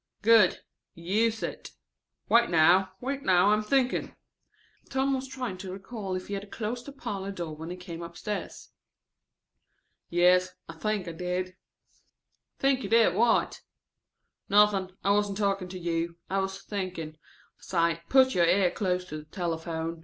("Good; use it.") "Wait now. Wait now, I am thinking." Tom was trying to recall if he had closed the parlor door when he came upstairs. "Yes, I think I did." ("Think you did what?") "Nothing. I wasn't talking to you. I was thinking. Say, put your ear close to the telephone.